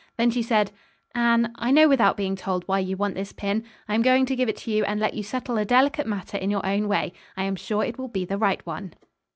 Then she said: 'Anne, I know without being told why you want this pin. I am going to give it to you, and let you settle a delicate matter in your own way. I am sure it will be the right one.'"